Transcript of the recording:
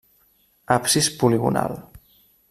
Absis poligonal.